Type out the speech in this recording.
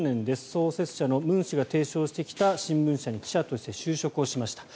創始者のムン・ソンミョン氏が提唱してきた新聞社に記者として就職をしました。